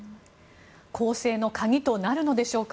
攻勢の鍵となるのでしょうか。